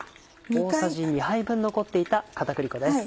大さじ２杯分残っていた片栗粉です。